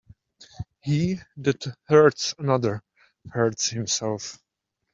He that hurts another, hurts himself.